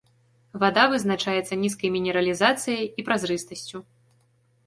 Вада вызначаецца нізкай мінералізацыяй і празрыстасцю.